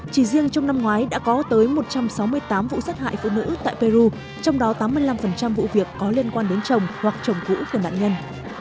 chỉ riêng trong năm ngoái đã có tới một trăm sáu mươi tám vụ sát hại phụ nữ tại peru trong đó tám mươi năm vụ việc có liên quan đến chồng hoặc chồng cũ của nạn nhân